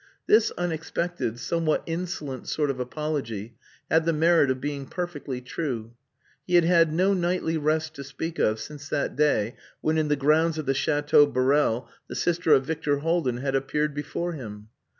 This unexpected, somewhat insolent sort of apology had the merit of being perfectly true. He had had no nightly rest to speak of since that day when, in the grounds of the Chateau Borel, the sister of Victor Haldin had appeared before him.